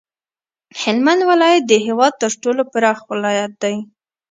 هلمند ولایت د هیواد تر ټولو پراخ ولایت دی